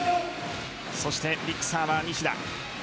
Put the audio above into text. そしてビッグサーバー・西田。